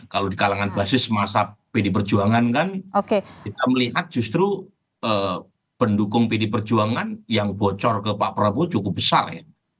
kalau di kalangan basis masa pd perjuangan kan kita melihat justru pendukung pd perjuangan yang bocor ke pak prabowo cukup besar ya